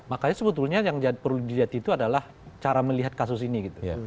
makanya sebetulnya yang perlu dilihat itu adalah cara melihat kasus ini gitu